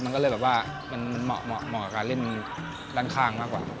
มันก็เลยแบบว่ามันเหมาะกับการเล่นด้านข้างมากกว่า